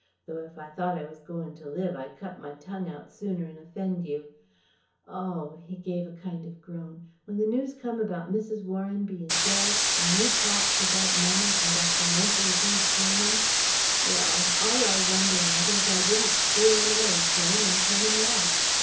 Though if I thought I was goin' to live, I'd cut my tongue out sooner'n offend you Oh," he gave a kind of groan "When the news come about Mrs. Warren bein' dead an' you p'raps without money and at the mercy of these Germans ... well! all I wonder at is I didn't steal an airyplane, and come in that.